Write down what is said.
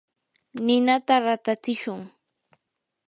ninata ratatsishun.